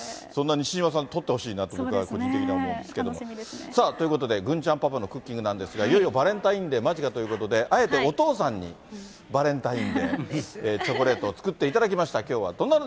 そんな西島さん、取ってほしいなと僕は個人的に思うんですんけど、さあ、ということで、郡ちゃんパパのクッキングなんですが、いよいよバレンタインデー間近ということで、あえてお父さんにバレンタインデー、チョコレート作っていただきました。